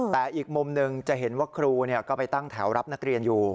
แต่อีกมุมหนึ่งจะเห็นว่าครูก็ไปตั้งแถวรับนักเรียนอยู่